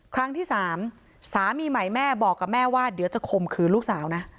ครั้งที่สามสามีใหม่แม่บอกกับแม่ว่าเดี๋ยวจะข่มขืนลูกสาวนะ